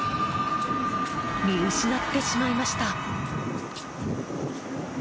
見失ってしまいました。